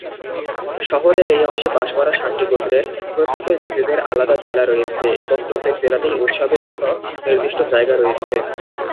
শহরের এই অংশে বাস করা সাতটি গোত্রের প্রত্যেকের নিজেদের আলাদা জেলা রয়েছে এবং প্রত্যেক জেলাতেই উৎসবের জন্য নির্দিষ্ট জায়গা রয়েছে।